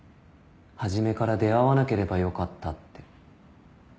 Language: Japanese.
初めから出会わなければよかったって。